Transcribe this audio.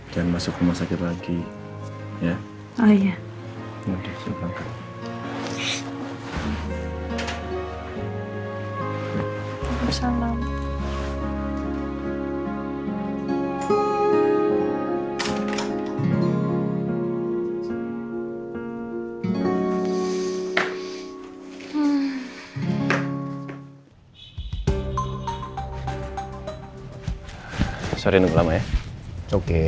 jangan masuk rumah sakit lagi